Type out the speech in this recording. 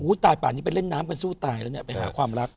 ตายป่านนี้ไปเล่นน้ำกันสู้ตายแล้วเนี่ยไปหาความรัก